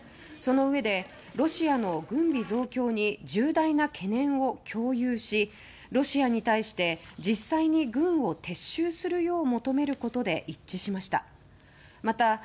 そのうえでロシアの軍備増強に重大な懸念を共有しロシアに対して実際に軍を撤収するよう求めることで一致しました。